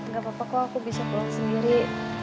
gak apa apa kok aku bisa pulang sendiri